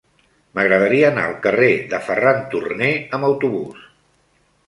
M'agradaria anar al carrer de Ferran Turné amb autobús.